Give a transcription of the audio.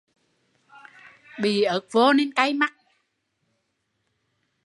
Bị ớt vô nên cay mắt